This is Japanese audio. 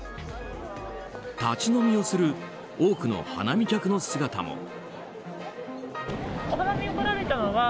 立ち飲みをする多くの花見客の姿も。